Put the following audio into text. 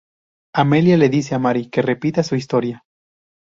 Amelia le dice a Mary que repita su historia.